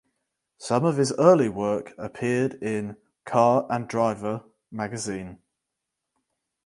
Some of his early work appeared in "Car and Driver" magazine.